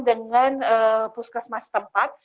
dengan puskesmas tempat